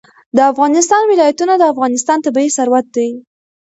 د افغانستان ولايتونه د افغانستان طبعي ثروت دی.